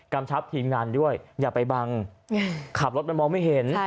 ชับทีมงานด้วยอย่าไปบังขับรถมันมองไม่เห็น